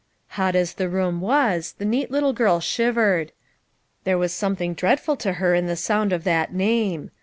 Hot as the room was, the neat little girl shiv ered. There was something dreadful to her in the sound of that name.